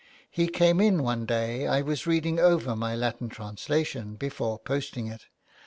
*' He came in one day I was reading over my Latin translation before posting it.